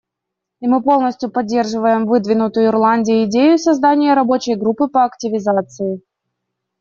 И мы полностью поддерживаем выдвинутую Ирландией идею создания рабочей группы по активизации.